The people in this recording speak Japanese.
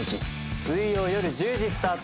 水曜夜１０時スタート。